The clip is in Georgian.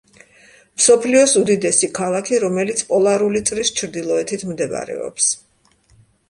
მსოფლიოს უდიდესი ქალაქი, რომელიც პოლარული წრის ჩრდილოეთით მდებარეობს.